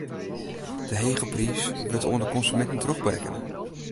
Dy hege priis wurdt oan de konsuminten trochberekkene.